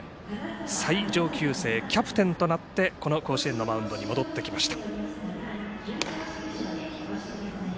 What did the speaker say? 最上級生、キャプテンとなってこの甲子園のマウンドに戻ってきました。